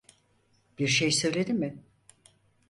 Bir şey söyledi mi?